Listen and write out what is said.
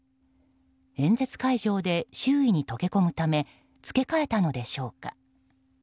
演説会場で周囲に溶け込むため着け替えたのでしょうか。